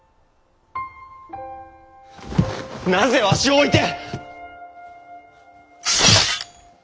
なぜわしを置いて！